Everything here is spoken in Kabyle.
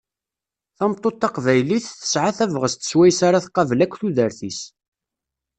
Tameṭṭut taqbaylit, tesɛa tabɣest s wayes ara tqabel akk tudert-is.